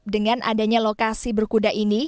dengan adanya lokasi berkuda ini